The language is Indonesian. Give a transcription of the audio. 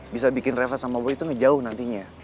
bisa bikin reva sama boy tuh ngejauh nantinya